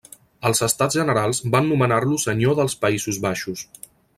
Els Estats Generals van nomenar-lo senyor dels Països Baixos.